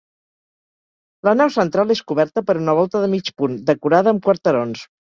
La nau central és coberta per una volta de mig punt, decorada amb quarterons.